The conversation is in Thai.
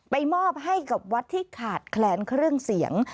มอบให้กับวัดที่ขาดแคลนเครื่องเสียง